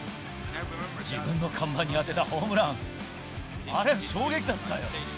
自分の看板に当てたホームラン、あれは衝撃だったよ。